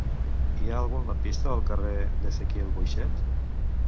Hi ha algun lampista al carrer d'Ezequiel Boixet?